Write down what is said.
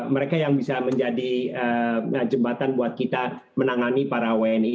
mereka yang bisa menjadi jembatan buat kita menangani para wni